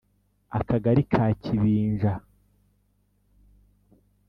Akagali ka Kibinja